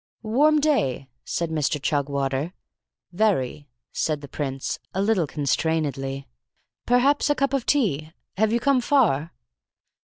"Warm day!" said Mr. Chugwater. "Very!" said the Prince, a little constrainedly. "Perhaps a cup of tea? Have you come far?"